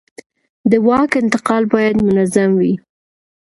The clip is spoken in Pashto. د واک انتقال باید منظم وي